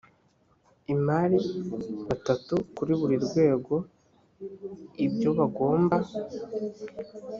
imari batatu kuri buri rwego ibyo bagomba